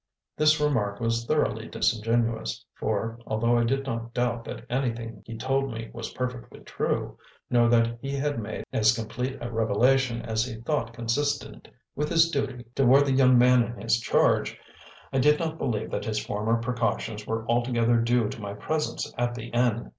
This remark was thoroughly disingenuous, for, although I did not doubt that anything he told me was perfectly true, nor that he had made as complete a revelation as he thought consistent with his duty toward the young man in his charge, I did not believe that his former precautions were altogether due to my presence at the inn.